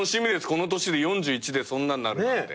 この年で４１でそんなんなるなんて。